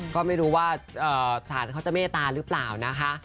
ก็ไม่รู้ว่าศาลเขาจะเมตตาหรือเปล่านะคะ